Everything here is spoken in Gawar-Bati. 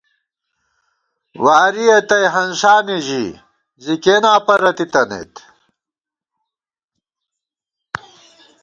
وارِیَہ تئ ہنسانے ژِی ، زی کېناں پرَتی تنَئیت